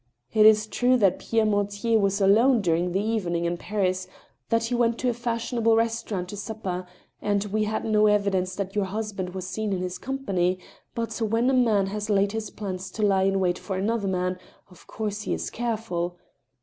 It is true that Pierre Mortier was alone during the evening in Paris ;... that he went to a» fashionable I06 THE STEEL HAMMER. restaurant to supper ; and we have no evidence that your husband was seen in his company ; but when a man has laid his plans to lie in wait for another man, of course he is careful.